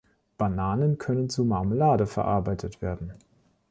Bananen können zu Marmelade verarbeitet werden.